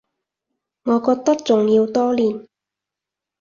我覺得仲要多練